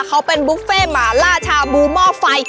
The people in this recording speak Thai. เขาเป็นบุฟเฟ่หมาล่าชาบูหม้อไฟ